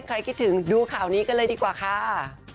คิดถึงดูข่าวนี้กันเลยดีกว่าค่ะ